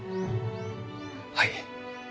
はい。